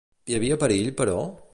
Hi havia perill, però?